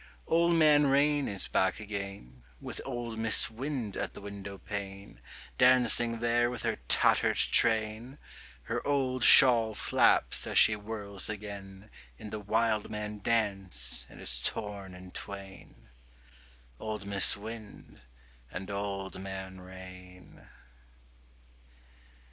Old Man Rain is back again, With old Mis' Wind at the windowpane, Dancing there with her tattered train: Her old shawl flaps as she whirls again In the wildman dance and is torn in twain. Old Mis' Wind and Old Man Rain.